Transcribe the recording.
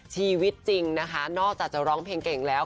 ชีวิตจริงนะคะนอกจากจะร้องเพลงเก่งแล้ว